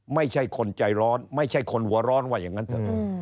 ไม่ใช่คนใจร้อนไม่ใช่คนหัวร้อนว่าอย่างนั้นเถอะ